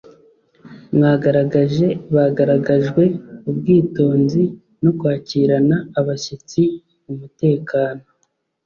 mwagaragaje bagaragajwe ubwitonzi no kwakirana abashyitsi umutekano